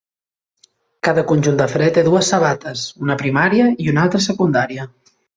Cada conjunt de fre té dues sabates, una primària i una altra secundària.